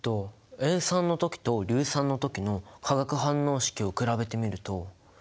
塩酸の時と硫酸の時の化学反応式を比べてみると。